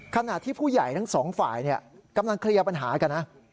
ขณะที่ผู้ใหญ่ทั้งสองฝ่ายกำลังเคลียร์ปัญหากันนะ